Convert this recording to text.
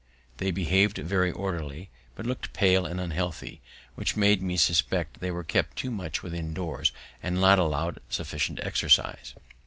They behav'd very orderly, but looked pale and unhealthy, which made me suspect they were kept too much within doors, or not allow'd sufficient exercise.